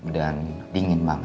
dan dingin banget